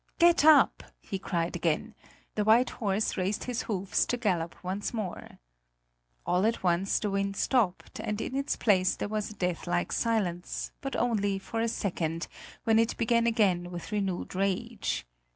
"Get up!" he cried again; the white horse raised his hoofs to gallop once more. All at once the wind stopped, and in its place there was a deathlike silence but only for a second, when it began again with renewed rage.